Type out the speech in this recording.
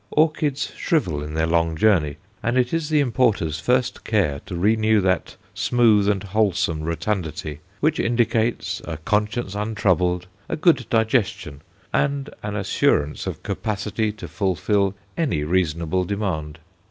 Orchids shrivel in their long journey, and it is the importer's first care to renew that smooth and wholesome rotundity which indicates a conscience untroubled, a good digestion, and an assurance of capacity to fulfil any reasonable demand.